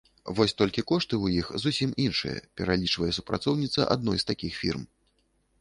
Вось толькі кошты ў іх зусім іншыя, пералічвае супрацоўніца адной з такіх фірм.